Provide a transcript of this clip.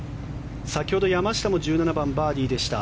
先ほど山下も１７番、バーディーでした。